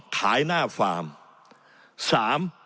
ขายหน้าฟาร์ม